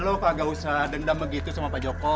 lo kagak usah dendam begitu sama pak joko